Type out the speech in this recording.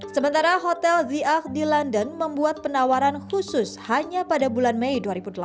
sementara hotel ziac di london membuat penawaran khusus hanya pada bulan mei dua ribu delapan belas